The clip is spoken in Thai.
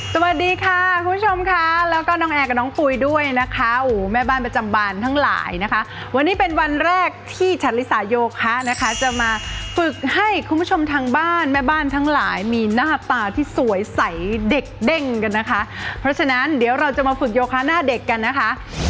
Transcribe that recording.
สวัสดีค่ะคุณผู้ชมค่ะแล้วก็น้องแอร์กับน้องปุ๋ยด้วยนะคะโอ้แม่บ้านประจำบานทั้งหลายนะคะวันนี้เป็นวันแรกที่ฉันลิสาโยคะนะคะจะมาฝึกให้คุณผู้ชมทางบ้านแม่บ้านทั้งหลายมีหน้าตาที่สวยใสเด็กเด้งกันนะคะเพราะฉะนั้นเดี๋ยวเราจะมาฝึกโยคะหน้าเด็กกันนะคะ